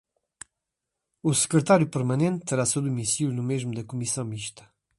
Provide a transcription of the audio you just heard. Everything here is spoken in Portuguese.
O Secretário permanente terá seu domicílio no mesmo da Comissão mista.